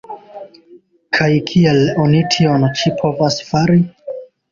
Kaj kiel oni tion ĉi povas fari?